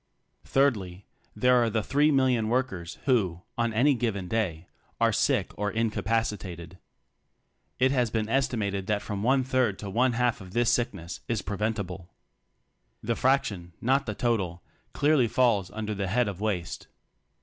Thirdly, there are the three million workers, who, on any given day, are sick or incapacitated. It has been estimated that from one third to one half of this sickness is prevent ible. The fraction — not the total — clearly falls under the head of waste.